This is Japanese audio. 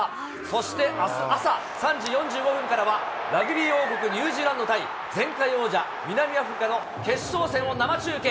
そしてあす朝３時４５分からは、ラグビー王国、ニュージーランド対、前回王者、南アフリカの決勝戦を生中継。